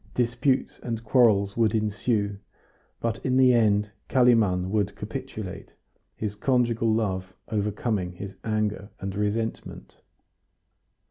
Disputes and quarrels would ensue, but in the end Kalimann would capitulate, his conjugal love overcoming his anger and resentment.